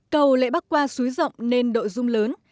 cầu lệ bắc qua suối rộng nên độ rung lớn